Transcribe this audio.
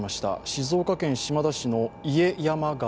静岡県島田市の川。